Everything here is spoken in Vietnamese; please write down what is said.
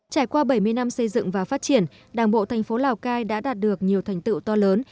trải qua bảy mươi năm xây dựng và phát triển đảng bộ thành phố lào cai đã đạt được nhiều thành tựu to lớn